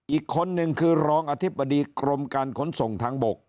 อีกคนนึงคือรองอธิบดีกรมการขนส่งทางบก